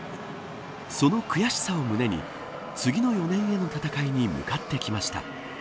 その悔しさを胸に次の４年への戦いに向かってきました。